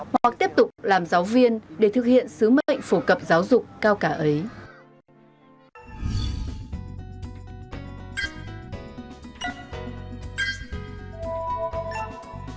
hoặc tiếp tục làm giáo viên để thực hiện sứ mệnh phổ cập giáo dục cao cả ấy